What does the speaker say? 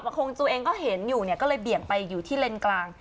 คงตัวเองก็เห็นอยู่เนี่ยก็เลยเบี่ยงไปอยู่ที่เลนกลาง